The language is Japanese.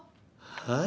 はい。